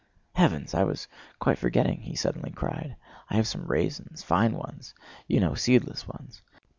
"Heavens! I was quite forgetting!" he suddenly cried. "I have some raisins, fine ones; you know, seedless ones.